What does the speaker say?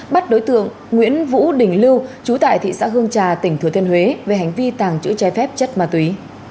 bắt đối tượng nguyễn vũ đình lưu trú tại thị xã hương trà tỉnh thừa thiên huế về hành vi tàng trữ trái phép chất ma túy